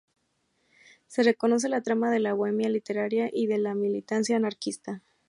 Se reconoce la trama de la bohemia literaria y de la militancia anarquista.